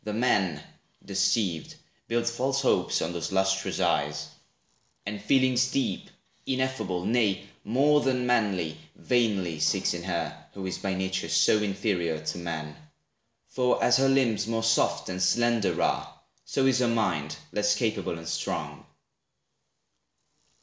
The man, Deceived, builds false hopes on those lustrous eyes, And feelings deep, ineffable, nay, more Than manly, vainly seeks in her, who is By nature so inferior to man. For as her limbs more soft and slender are, So is her mind less capable and strong.